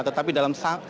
tetapi dalam saat